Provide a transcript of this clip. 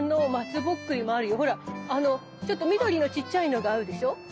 ちょっと緑のちっちゃいのがあるでしょ。